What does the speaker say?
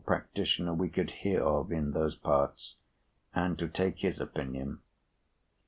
108practitioner we could hear of in those parts, and to take his opinion.